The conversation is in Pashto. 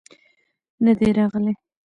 نه دى راغلى.